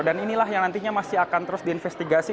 dan inilah yang nantinya masih akan terus diinvestigasi